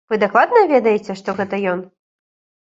Вы дакладна ведаеце, што гэта ён?